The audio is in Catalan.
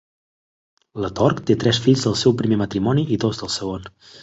La Tork té tres fills del seu primer matrimoni i dos del segon.